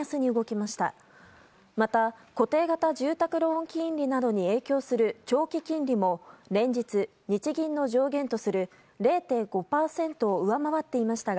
また固定型住宅ローン金利などに影響する長期金利も連日、日銀の上限とする０．５％を上回っていましたが